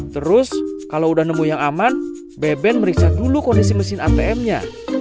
terus kalau udah nemu yang aman beben meriksa dulu kondisi mesin atm nya